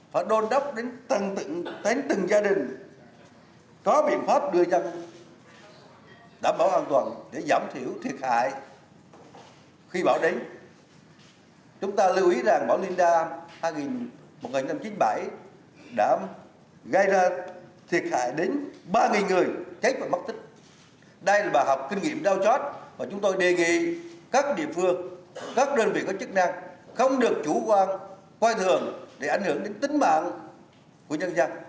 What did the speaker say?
phó đôn đốc đến từng gia đình có biện pháp đưa dân đảm bảo an toàn để giảm thiểu thiệt hại khi bão đánh